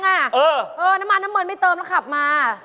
น้ำมันน้ำเงินไม่เติมแล้วขับมา